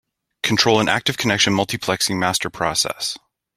Control an active connection multiplexing master process.